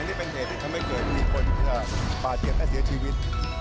อันนี้เป็นเหตุให้เขิดเรือรับปลาเสียอะไรเสียชีวิต